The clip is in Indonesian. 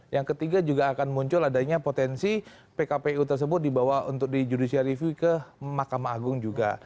yang ketiga juga akan muncul adanya potensi pkpu tersebut dibawa untuk di judicial review ke mahkamah agung juga